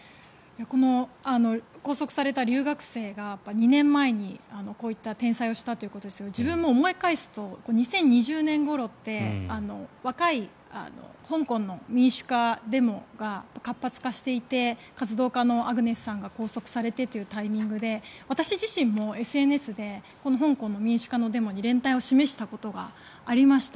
拘束された留学生が２年前にこういった転載をしたということですが自分も思い返すと２０２０年ごろって若い香港の民主化デモが活発化していて活動家のアグネスさんが拘束されてというタイミングで私自身もＳＮＳで香港の民主化のデモに連帯を示したことがありました。